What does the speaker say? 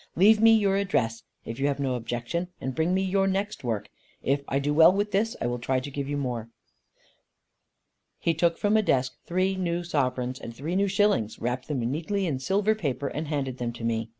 Leave me your address, if you have no objection; and bring me your next work. If I do well with this, I will try to give you more." He took from a desk three new sovereigns and three new shillings, wrapped them neatly in silver paper, and handed them to me.